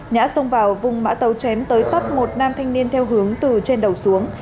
nhã xông vào vùng mã tấu chém tới tấp một nam thanh niên theo hướng từ trên đầu xuống